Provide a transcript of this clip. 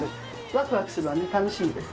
ワクワクするわね楽しみです。